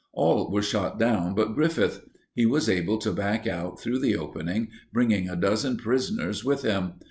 All were shot down but Griffith. He was able to back out through the opening, bringing a dozen prisoners with him.